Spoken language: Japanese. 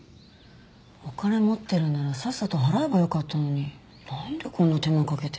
お金持ってるならさっさと払えばよかったのになんでこんな手間かけて。